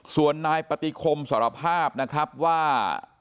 ส่วนนายปฏิคมสารภาพนะครับว่า